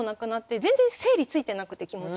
全然整理ついてなくて気持ちの。